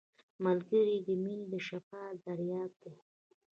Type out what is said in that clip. ملګری د مینې شفاف دریاب دی